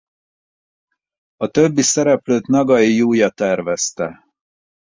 A többi szereplőt Nagai Júja tervezte.